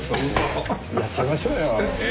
やっちゃいましょうよ。